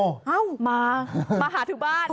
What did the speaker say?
มามาหาถึงบ้าน